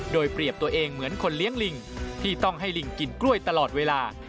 โดยเปรียบตัวเองเหมือนคนเลี้ยงลิงที่ต้องให้ลิงกินกล้วยตลอดเวลา